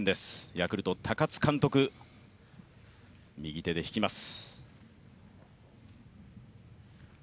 ヤクルト、高津監督、右手で引きます。